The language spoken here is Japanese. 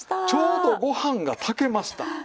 ちょうどご飯が炊けました。